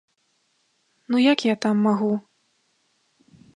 Ну як я там магу?